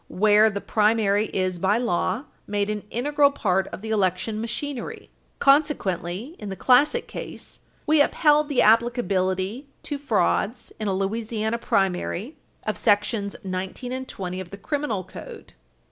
660 "where the primary is by law made an integral part of the election machinery." 313 U.S. at 313 U. S. 318=. Consequently, in the Classic case, we upheld the applicability to frauds in a Louisiana primary of §§ 19 and 20 of the Criminal Code.